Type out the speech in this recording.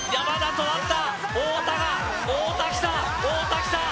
止まった太田が太田きた太田きた